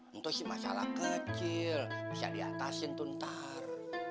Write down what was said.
itu sih masalah kecil bisa diatasin tuh ntar